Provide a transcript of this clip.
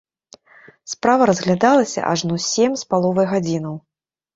Справа разглядалася ажно сем з паловай гадзінаў.